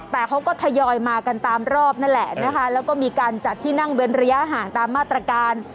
แต่เขาก็ทยอยมากันตามรอบนั่นแหละนะคะแล้วก็มีการจัดที่นั่งเว้นระยะห่างตามมาตรการ